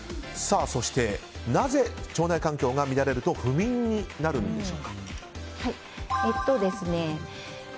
そして、なぜ腸内環境が乱れると不眠になるのでしょうか。